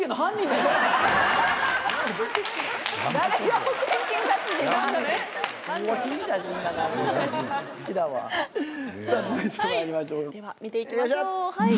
では見て行きましょうはい。